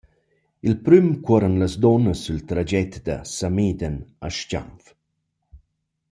Il prüm cuorran las duonnas sül traget da Samedan a S-chanf.